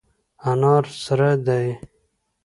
انار سره دي.